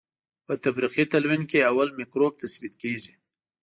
په تفریقي تلوین کې اول مکروب تثبیت کیږي.